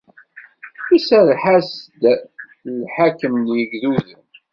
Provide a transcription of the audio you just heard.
Iserreḥ-as-d lḥakem n yigduden.